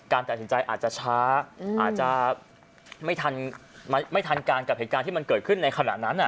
ตัดสินใจอาจจะช้าอาจจะไม่ทันการกับเหตุการณ์ที่มันเกิดขึ้นในขณะนั้น